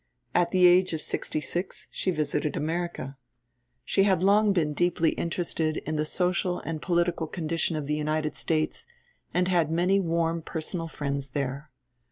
At the age of sixty six she visited America. She had long been deeply interested in the social and political condition of the United States, and had many warm personal friends there.